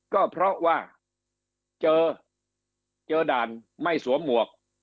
ก็เพราะว่าเจอเจอด่านไม่สวมหมวก